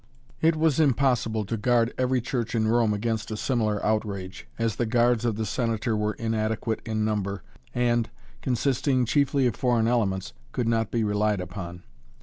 It was impossible to guard every church in Rome against a similar outrage, as the guards of the Senator were inadequate in number, and, consisting chiefly of foreign elements, could not be relied upon.